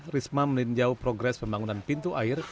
risma meninjau progres pembangunan pintu air